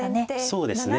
そうですね。